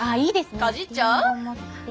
かじっちゃう？